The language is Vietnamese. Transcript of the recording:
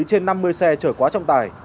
trên năm mươi xe chở quá trong tải